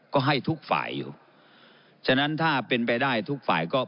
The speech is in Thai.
ก็ให้ทุกฝ่ายอยู่ฉะนั้นถ้าเป็นไปได้ทุกฝ่ายก็